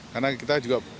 karena kita juga